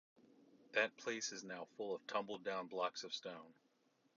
The place is now full of tumbled down blocks of stone.